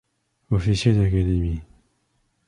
Officier d'Académie.